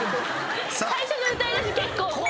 最初の歌いだし結構。